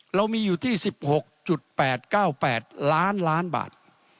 เรามีอยู่ที่๑๖๘๙๘ล้านล้านบาท